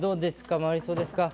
回りそうですか？